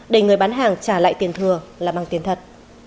để người bán hàng trả lại tiền thừa là bằng tiền thật